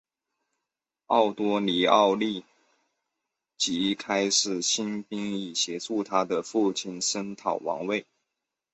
奥多尼奥立即开始兴兵以协助他的父亲声讨王位。